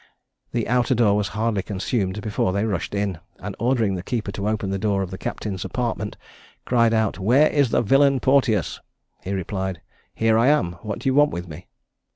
The outer door was hardly consumed before they rushed in, and ordering the keeper to open the door of the captain's apartment, cried out, "Where is the villain Porteous?" He replied, "Here I am; what do you want with me?"